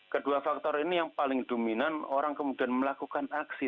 kedua faktor ini yang paling dominan orang kemudian melakukan aksi